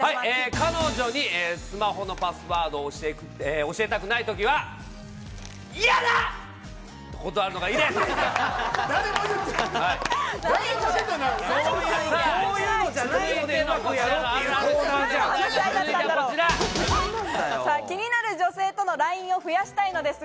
彼女にスマホのパスワードを教えたくない時は、「嫌だ！！」と断るのがいいです。